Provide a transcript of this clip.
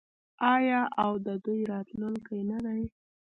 آیا او د دوی راتلونکی نه دی؟